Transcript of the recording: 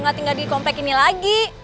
nggak tinggal di komplek ini lagi